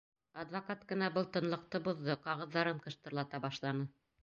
Адвокат ҡына был тынлыҡты боҙҙо: ҡағыҙҙарын ҡыштырлата башланы.